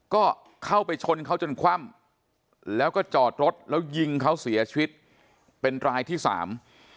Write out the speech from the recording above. ก็เข้าไปชนเขาจนคว่ำแล้วก็จอดรถแล้วยิงเขาเสียชีวิตเป็นรายที่สาม